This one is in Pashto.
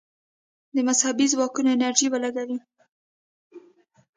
د مذهبي ځواکونو انرژي ولګوي.